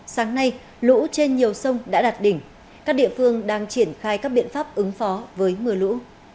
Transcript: sáng nay lũ trên nhiều sông đã đạt đỉnh các địa phương đang triển khai các biện pháp ứng phó với mưa lũ